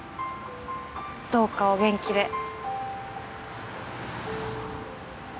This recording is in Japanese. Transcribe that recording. どうかお元気で。